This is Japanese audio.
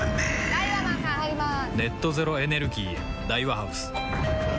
・ダイワマンさん入りまーす！